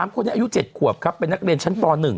คนนี้อายุ๗ขวบครับเป็นนักเรียนชั้นป๑